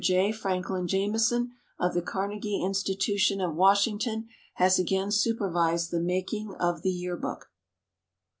J. Franklin Jameson, of the Carnegie Institution of Washington, has again supervised the making of the year book.